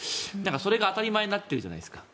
それが当たり前になってるじゃないですか。